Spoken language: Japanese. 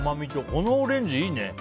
このオレンジいいね！